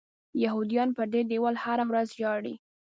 یهودیان پر دې دیوال هره ورځ ژاړي.